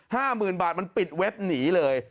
ห้าหมื่นบาทมันปิดเว็บหนีเลย